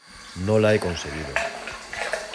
no la he conseguido.